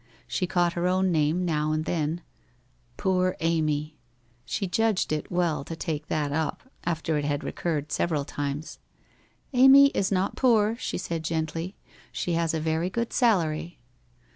She caught her own name now and then —* Poor Amy !' She judged it well to take that up, after it had recurred several times. 1 Amy is not poor/ she said gently. ' She has a very good salary.'